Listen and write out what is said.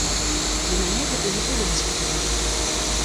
Для мяне гэта не было неспадзяванкай.